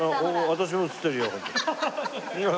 私も映ってるよ。